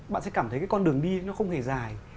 bạn sẽ cảm thấy cái con đường đi nó không hề dài